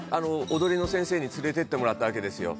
踊りの先生に連れてってもらったわけですよ